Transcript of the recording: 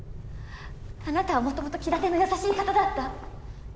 あなたはもともと気立ての優しい方だった。